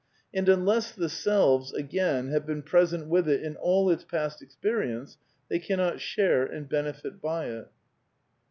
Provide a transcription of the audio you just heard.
And unless the selves — ag^ have been present with it in all its past experi ence, they cannot share and benefit by it 4.